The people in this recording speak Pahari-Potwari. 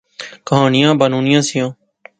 کہانیاں بانونیاں سیاں